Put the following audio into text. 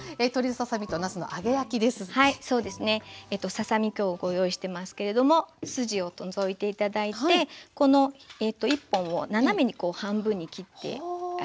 ささ身今日ご用意してますけれども筋を除いて頂いてこの１本を斜めにこう半分に切ってあります。